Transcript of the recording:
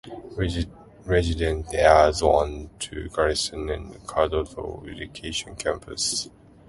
Residents are zoned to Garrison, and Cardozo Education Campus.